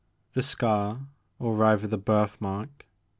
The scar, — or rather the birthmark.